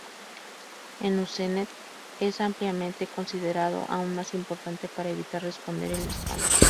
En Usenet, es ampliamente considerado aún más importante para evitar responder al spam.